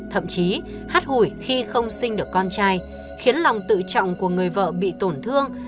thậm chí hát hủy khi không sinh được con trai khiến lòng tự trọng của người vợ bị tổn thương